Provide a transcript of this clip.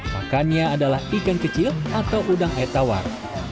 makannya adalah ikan kecil atau udang etawar